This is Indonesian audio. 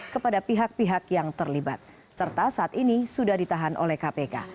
kepada pihak pihak yang terlibat serta saat ini sudah ditahan oleh kpk